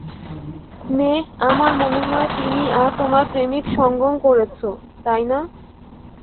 মেয়ে, আমার মনে হয় তুমি আর তোমার প্রেমিক সঙ্গম করছ, তাই না?